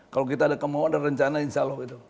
kalau kita ada kemauan dan rencana insya allah itu